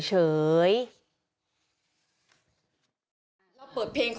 จริง